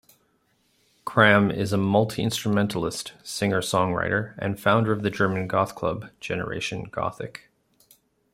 Kramm is a multi-instrumentalist, singer-songwriter and founder of the German goth club, "Generation Gothic".